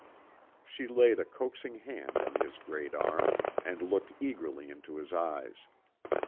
She laid a coaxing hand on his great arm, and looked eagerly into his eyes.